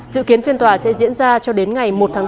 dự kiến phiên tòa sẽ diễn ra cho đến ngày một tháng bốn